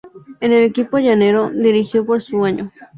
En el equipo llanero, dirigió por un año.